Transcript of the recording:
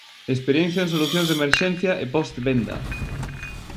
Experiencia en solucións de emerxencia e post venda.